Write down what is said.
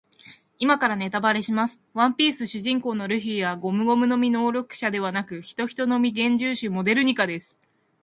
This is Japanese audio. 今からネタバレします。ワンピース主人公のルフィはゴムゴムの実の能力者ではなく、ヒトヒトの実幻獣種モデルニカです。